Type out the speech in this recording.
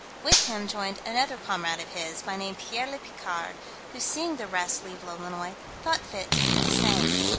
With him joined another comrade of his, by name Pierre le Picard, who seeing the rest leave Lolonois, thought fit to do the same.